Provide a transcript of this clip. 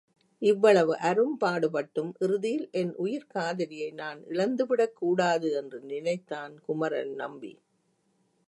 இவ்வளவு அரும்பாடுபட்டும் இறுதியில் என் உயிர்க் காதலியை நான் இழந்துவிடக் கூடாது என்று நினைத்தான் குமரன் நம்பி.